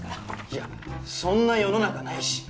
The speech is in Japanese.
いやそんな世の中ないし。